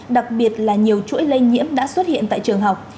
đặc biệt là nhiều chuỗi lây nhiễm đã xuất hiện tại trường học